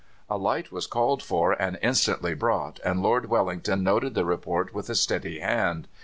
"A light was called for and instantly brought, and Lord Wellington noted the report with a steady hand.